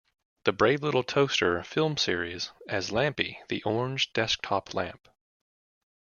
"The Brave Little Toaster" film series, as Lampy the orange desktop lamp.